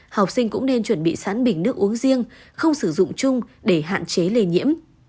học sinh cũng nên chuẩn bị sẵn bình nước uống riêng không sử dụng chung để hạn chế lây nhiễm